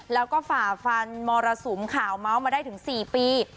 แล้วก็ฝ่าฟันมรสุมข่าวเมาส์มาได้ถึง๔ปี